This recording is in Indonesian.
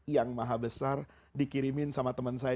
yang maha besar dikirimin sama teman saya